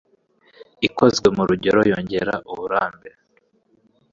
Ikozwe mu rugero yongera uburambe